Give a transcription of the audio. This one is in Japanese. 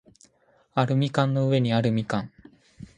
アルミ缶の上にあるみかん